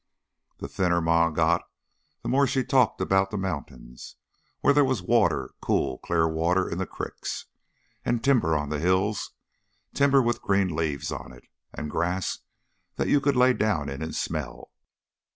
"The thinner Ma got, the more she talked about the mountains, where there was water cool, clear water in the criks. And timber on the hills timber with green leaves on it. And grass that you could lay down in and smell.